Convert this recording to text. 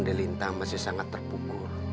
delintang masih sangat terpukul